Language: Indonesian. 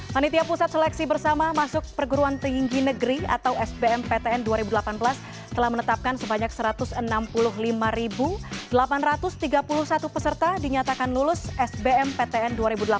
panitia pusat seleksi bersama masuk perguruan tinggi negeri atau sbm ptn dua ribu delapan belas telah menetapkan sebanyak satu ratus enam puluh lima delapan ratus tiga puluh satu peserta dinyatakan lulus sbm ptn dua ribu delapan belas